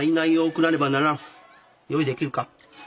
用意できるか？